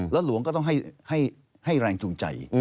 แล้วหลวงก็ต้องให้แรงจูงใจ